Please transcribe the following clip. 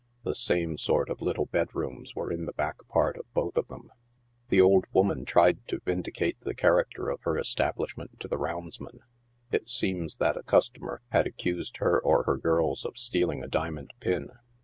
The same sort of little bedrooms were in the back part of both of them. The old woman tried to vindicate the character of her establish ment to the roundsman. It seems that a customer had accused her or her girls of stealing a diamond pin.